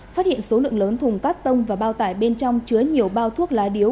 phát hiện số lượng lớn thùng cát tông và bao tải bên trong chứa nhiều bao thuốc lá điếu